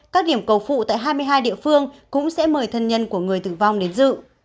các điểm cầu phụ tại hai mươi hai địa phương cũng sẽ mời thân nhân của người tử vong đến dự